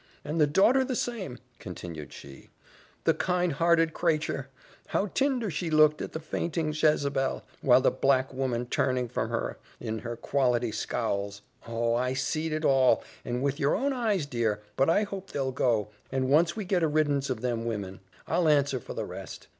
and the daughter the same!" continued she, following me as I walked up and down the hall: "the kind hearted cratur, how tinder she looked at the fainting Jezabel while the black woman turning from her in her quality scowls. Oh! I seed it all, and with your own eyes, dear but I hope they'll go and once we get a riddance of them women. I'll answer for the rest.